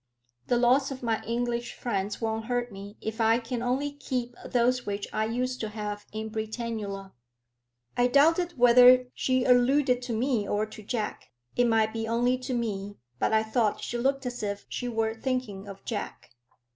"The loss of my English friends won't hurt me if I can only keep those which I used to have in Britannula." I doubted whether she alluded to me or to Jack. It might be only to me, but I thought she looked as if she were thinking of Jack.